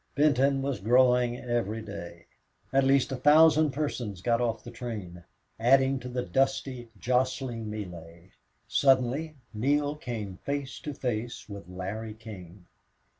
Benton was growing every day. At least a thousand persons got off that train, adding to the dusty, jostling melee. Suddenly Neale came face to face with Larry King.